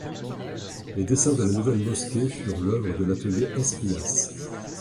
Les dessins de la nouvelle Mosquée furent l’œuvre de l’atelier Espinasse.